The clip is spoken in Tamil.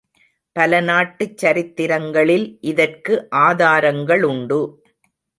பல நாட்டுச் சரித்திரங்களில் இதற்கு ஆதாரங்களுண்டு.